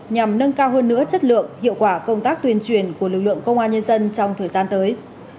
nhằm nâng cao hơn nữa chất lượng hiệu quả công tác tuyên truyền của lực lượng công an nhân dân trong thời gian tới